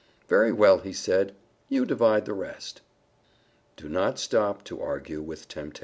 "Very well," he said, "you divide the rest." _Do not stop to argue with temptation.